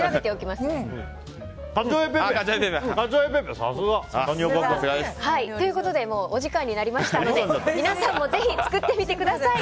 さすが！お時間になりましたので皆さんもぜひ作ってみてください。